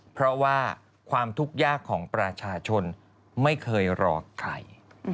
เพราะว่าความทุกข์ยากของประชาชนไม่เคยรอใคร